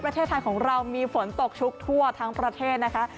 ประเทศไทยของเรามีฝนตกชุกทั่วทั้งประเทศนะคะ